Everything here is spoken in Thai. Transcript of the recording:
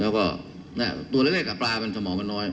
แล้วก็ตัวแรกหลังจากปลาสมองก็น้อย